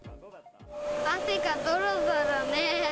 汗がどろどろね。